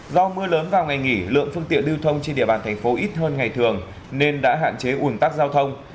do mưa lớn vào ngày nghỉ lượng phương tiện lưu thông trên địa bàn thành phố ít hơn ngày thường nên đã hạn chế ủn tắc giao thông